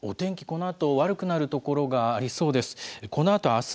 このあと悪くなる所がありそうです。